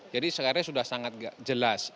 jadi sekarang sudah sangat jelas